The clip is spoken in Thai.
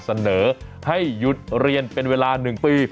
เสนอให้หยุดเรียนเป็นเวลา๑ปี